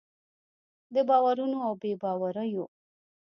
د باورونو او بې باوریو